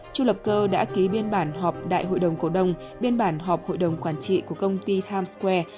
chu lập cơ đã ký biên bản họp đại hội đồng cổ đông biên bản họp hội đồng quản trị của công ty times square